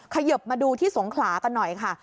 ขยบมาดูที่สงขลากันหน่อยค่ะ